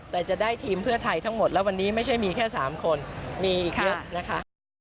แต่จะได้ทีมเพื่อไทยทั้งหมดแล้ววันนี้ไม่ใช่มีแค่๓คนมีอีกเยอะนะคะ